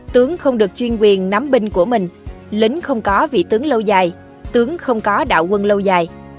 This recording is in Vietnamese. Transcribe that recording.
tướng không được chuyên quyền nắm binh của mình lính không có vị tướng lâu dài tướng không có đạo quân lâu dài